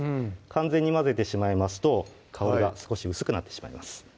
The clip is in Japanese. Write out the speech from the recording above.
完全に混ぜてしまいますと香りが少し薄くなってしまいます